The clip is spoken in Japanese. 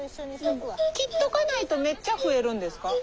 切っとかないとめっちゃ増えるんですか？